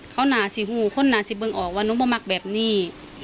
เขาน่าสิหู่เขาก็เคยเห็นออกว่านุงโปรมากแบบนี้